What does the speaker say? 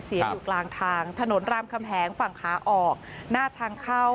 อยู่กลางทางถนนรามคำแหงฝั่งขาออกหน้าทางเข้า